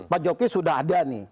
pak jokowi sudah ada